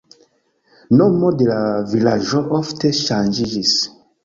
Nomo de la vilaĝo ofte ŝanĝiĝis.